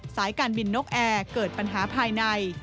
สายการบินนกแอร์เกิดปัญหาภายใน